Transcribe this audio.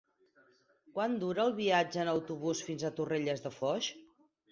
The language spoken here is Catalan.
Quant dura el viatge en autobús fins a Torrelles de Foix?